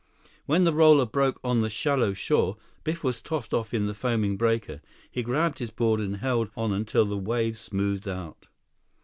When the roller broke on the shallow shore, Biff was tossed off in the foaming breaker. He grabbed his board and held on until the wave smoothed out.